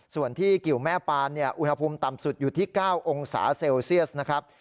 ส่วนที่กิวแม่ปานอุณหภูมิต่ำสุดอยู่ที่๙องศาเซลเซียสนะครับ